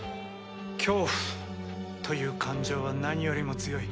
恐怖という感情は何よりも強い。